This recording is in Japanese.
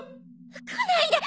来ないで！